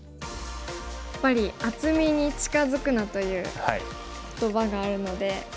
やっぱり「厚みに近づくな」という言葉があるので。